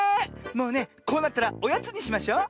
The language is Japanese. もうねこうなったらおやつにしましょう。